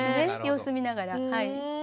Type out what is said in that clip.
様子見ながらはい。